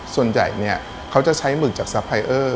ส่วนใหญ่เขาจะใช้หมึกจากซัพไพเยอร์